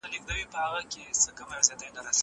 تکړښت د زهشوم له خوا کيږي!